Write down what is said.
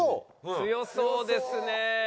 強そうですね。